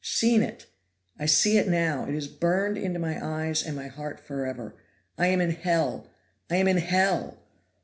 Seen it! I see it now, it is burned into my eyes and my heart forever; I am in hell! I am in hell!